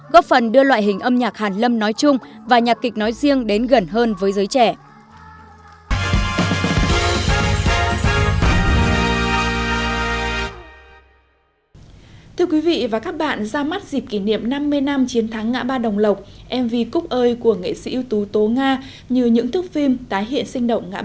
góp phần đưa loại hình âm nhạc hàn lâm nói chung và nhạc kịch nói riêng đến gần hơn với giới trẻ